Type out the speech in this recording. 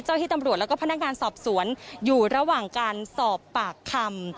ที่ตำรวจแล้วก็พนักงานสอบสวนอยู่ระหว่างการสอบปากคำ